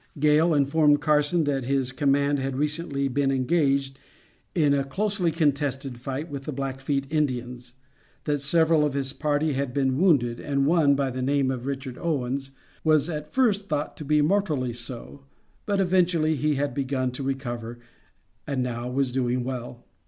Gale informed Carson that his command had recently been engaged in a closely contested fight with the Blackfeet Indians; that several of his party had been wounded, and one, by the name of Richard Owens, was at first thought to be mortally so; but, eventually, he had begun to recover and now was doing well.